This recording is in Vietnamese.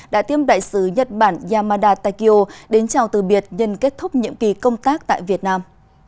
đã tiêm đại sứ nhật bản yamada takio đến chào từ biệt nhân kết thúc nhiệm kỳ công tác tại việt nam